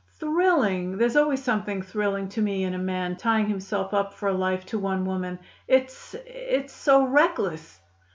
"Thrilling! There's always something thrilling to me in a man tying himself up for life to one woman. It's it's so reckless."